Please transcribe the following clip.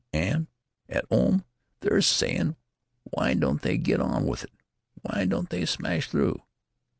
An' at 'ome they're a s'yin', 'W'y don't they get on with it? W'y don't they smash through?'